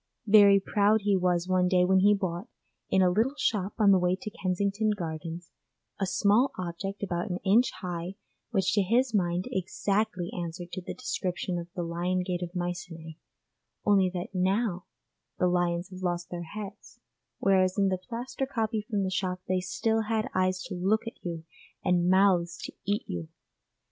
Very proud he was one day when he bought, in a little shop on the way to Kensington Gardens, a small object about an inch high which to his mind exactly answered to the description of the lion gate of Mycenæ, only that now the lions have lost their heads, whereas in the plaster copy from the shop they still had eyes to look at you and mouths to eat you.